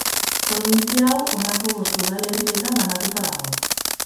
Probintzia hau honako bost udalerrietan banatua dago.